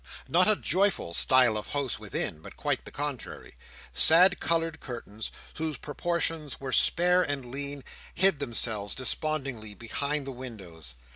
Not a joyful style of house within, but quite the contrary. Sad coloured curtains, whose proportions were spare and lean, hid themselves despondently behind the windows.